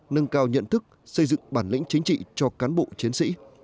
nâng cao nhận thức xây dựng bản lĩnh chính trị cho cán bộ chiến sĩ